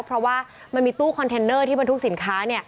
เพราะว่ามันมีตู้คอนเทนเนอร์ที่บรรทุกสินค้า